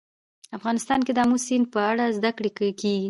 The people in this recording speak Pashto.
افغانستان کې د آمو سیند په اړه زده کړه کېږي.